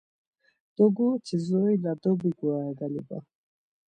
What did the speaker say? Doguruti zorila dobigurare galiba.